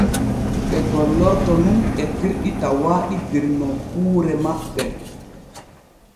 Ɓe gollorto nun etirɗi tawaaɗi der nokkuure maɓɓe.